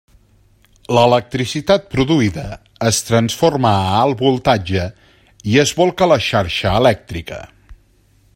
L'electricitat produïda es transforma a alt voltatge i es bolca a la xarxa elèctrica.